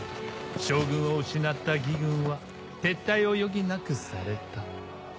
将軍を失った魏軍は撤退を余儀なくされた。